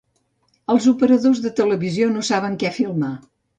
Els operadors de televisió no saben què filmar.